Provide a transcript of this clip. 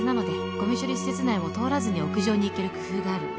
「ゴミ処理施設内を通らずに屋上に行ける工夫がある」